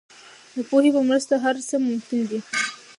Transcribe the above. د پوهې په مرسته هر څه ممکن دي.